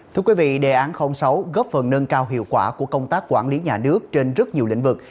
thưa quý vị đề án sáu góp phần nâng cao hiệu quả của công tác quản lý nhà nước trên rất nhiều lĩnh vực